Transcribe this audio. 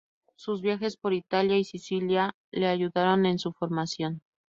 Sus viajes por Italia y Sicilia le ayudaron en su formación.